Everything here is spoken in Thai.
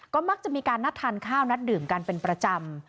ก็มักจะมีการนัดทานข้าวนัดดื่มกันเป็นประจำ